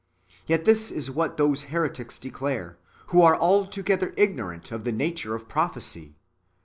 Yet this is what those [heretics] declare, who are altogether ignorant of the nature of pro phecy.